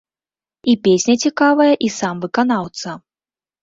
І песня цікавая, і сам выканаўца.